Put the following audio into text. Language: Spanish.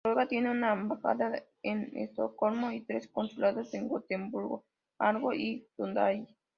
Noruega tiene una embajada en Estocolmo y tres consulados, en Gotemburgo, Malmö y Sundsvall.